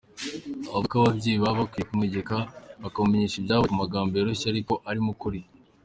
Avuga ko ababyeyi baba bakwiriye kumwegera bakamumenyesha ibyabaye mu magambo yoroshye ariko arimo ukuri.